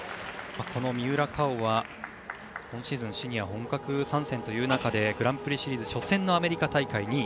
この三浦佳生は今シーズンシニア本格参戦という中でグランプリシリーズ初戦のアメリカ大会２位。